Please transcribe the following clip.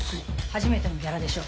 初めてのギャラでしょ。